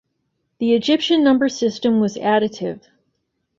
The Egyptian number system was additive.